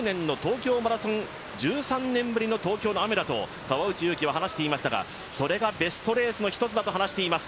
１３年ぶりの東京の雨だと川内優輝は話していましたがそれがベストレースの１つだと話しています。